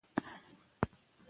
د تغذیې کمښت فقر رامنځته کوي.